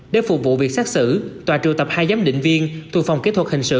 để phục vụ việc xét xử tòa trụ tập hai giám định viên tù phòng kỹ thuật hình sự